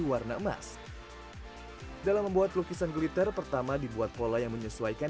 warna emas dalam membuat lukisan glitter pertama dibuat pola yang menyesuaikan